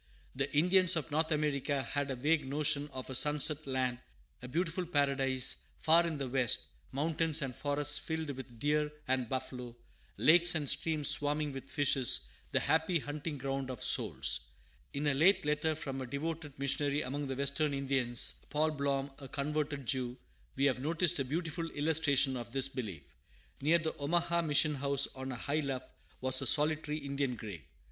The Indians of North America had a vague notion of a sunset land, a beautiful paradise far in the west, mountains and forests filled with deer and buffalo, lakes and streams swarming with fishes, the happy hunting ground of souls. In a late letter from a devoted missionary among the Western Indians (Paul Blohm, a converted Jew) we have noticed a beautiful illustration of this belief. Near the Omaha mission house, on a high luff, was a solitary Indian grave.